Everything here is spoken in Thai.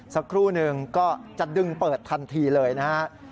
สักครู่หนึ่งก็จะดึงเปิดทันทีเลยนะฮะ